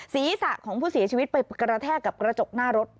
ศีรษะของผู้เสียชีวิตไปกระแทกกับกระจกหน้ารถ